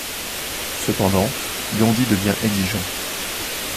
Cependant, Gandhi devient exigeant.